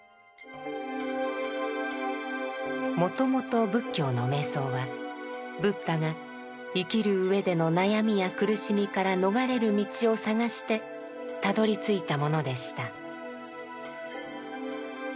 もともと仏教の瞑想はブッダが生きるうえでの悩みや苦しみから逃れる道を探してたどりついたものでした。